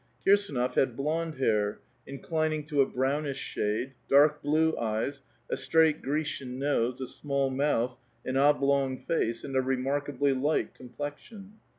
Kirsdnof ^ad blonde hair, inclining to a brownish shade, dark blue ■^eyes, a straight Grecian nose, a small mouth, an oblong face, ^and a remarkably light complexion.